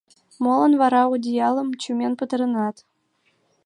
— Молан вара одеялым чумен пытаренат?